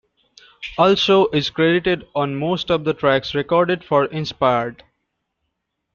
Alsou is credited on most of the tracks recorded for "Inspired".